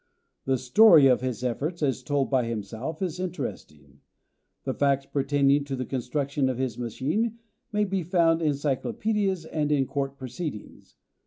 The story of his efforts, as told by himself, is interesting. The facts pertaining to the construction of his machine may be found in cyclopedias and in court proceedings.